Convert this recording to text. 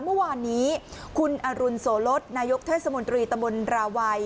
เมื่อวานนี้คุณอรุณโสลดนายกเทศมนตรีตำบลราวัย